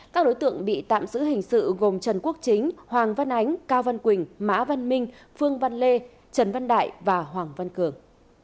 các đối tượng bị tạm giữ hình sự gồm trần quốc chính hoàng văn ánh cao văn quỳnh mã văn minh phương văn lê trần văn đại và hoàng văn cường